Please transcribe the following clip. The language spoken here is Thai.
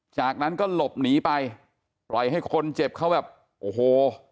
จากนั้นก็หลบหนีไปปล่อยให้คนเจ็บเขาแบบโอ้โห